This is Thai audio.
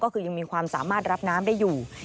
ก็คือยังมีความสามารถรับน้ำได้อยู่